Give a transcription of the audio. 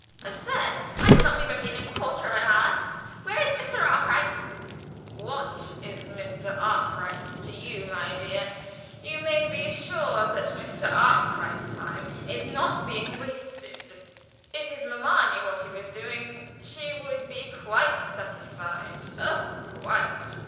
"Absurd! I can not be ready in quarter of an hour. Where is Mr. Arkwright?" "What is Mr. Arkwright to you, my dear? You may be sure that Mr. Arkwright's time is not being wasted. If his mamma knew what he was doing she would be quite satisfied oh, quite.